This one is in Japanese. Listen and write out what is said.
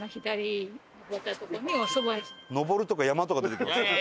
「上る」とか「山」とか出てきました。